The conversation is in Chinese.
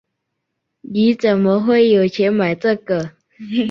你怎么会有钱买这个？